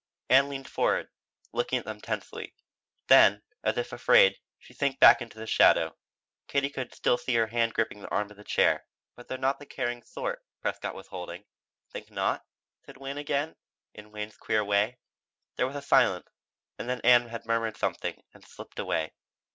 Ann leaned forward, looking at him tensely. Then, as if afraid, she sank back into shadow. Katie could still see her hand gripping the arm of her chair. "But they're not the caring sort," Prescott was holding. "Think not?" said Wayne again, in Wayne's queer way. There was a silence, and then Ann had murmured something and slipped away.